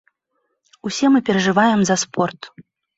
Усе мы перажываем за спорт.